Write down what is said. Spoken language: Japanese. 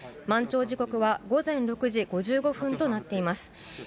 満潮時刻は午前６時５５分となっています。